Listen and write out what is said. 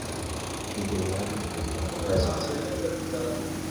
Egoyan was not present.